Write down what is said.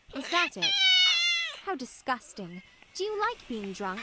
Is that it? How disgusting! Do you like being drunk?